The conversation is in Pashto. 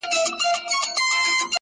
پوهېدی چي نور د نوي کور مقیم سو -